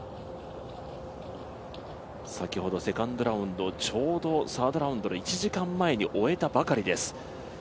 先ほどセカンドラウンドちょうどサードラウンドの１時間前に終えたばかりです。